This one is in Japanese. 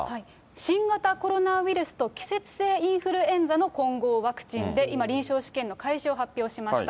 新型コロナウイルスと季節性インフルエンザの混合ワクチンで、今、臨床試験の開始を発表しました。